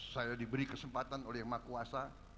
saya diberi kesempatan oleh emak kuasa